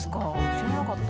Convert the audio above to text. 知らなかった。